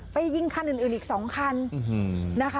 ไปยิงคันนึงอื่นอีก๒คัน